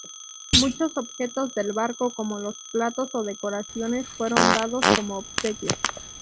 Muchos objetos del barco, como los platos o decoraciones, fueron dados como obsequios.